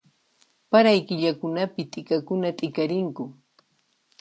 Paray killakunapi t'ikakuna t'ikarinku